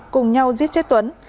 cùng nhau giết chết tuấn